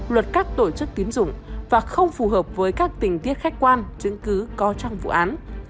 luật các tổ chức tín dụng và không phù hợp với các tình tiết khách quan chứng cứ có trong vụ án